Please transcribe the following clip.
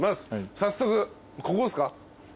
早速ここですか？